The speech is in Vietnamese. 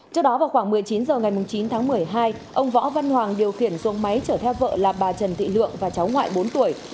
trước đó vào khoảng một mươi chín h ngày chín tháng một mươi hai ông võ văn hoàng điều khiển xuống máy chở theo vợ là bà trần thị lượng và cháu ngoại bốn tuổi